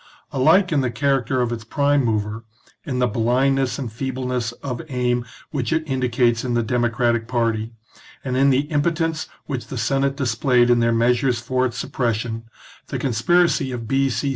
Alike in the character of its prime mover, in the blindness and feebleness of aim which it indicates in the democratic party, and in the impotence which the Senate displayed in their CONSPIRACY OF CATILINE. XXI measures for its suppression, the conspiracy of B.C.